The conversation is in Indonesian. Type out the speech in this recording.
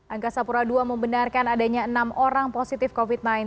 angkasa pura ii membenarkan adanya enam orang positif covid sembilan belas